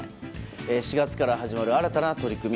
４月から始まる新たな取り組み。